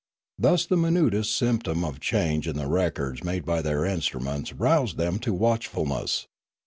Thus the minutest symptom of change in the records made by their instruments roused them to watchfulness.